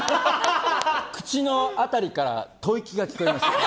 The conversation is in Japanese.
口の辺りから吐息が聞こえました。